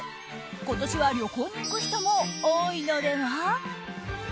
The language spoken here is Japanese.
今年は旅行に行く人も多いのでは？